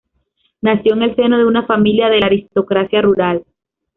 Nació en el seno de una familia de la aristocracia rural.